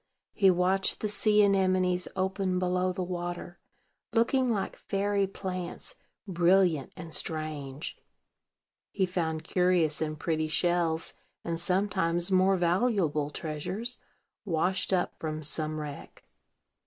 He watched the sea anemones open below the water, looking like fairy plants, brilliant and strange. He found curious and pretty shells, and sometimes more valuable treasures, washed up from some wreck.